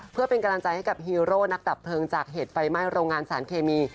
เพื่อเป็นกำลังใจให้กับฮีโร่นักดับเพลิงจากเหตุไฟไหม้โรงงานสารเคมี